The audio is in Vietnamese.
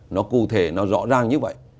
nó cụ thể nó rõ ràng như vậy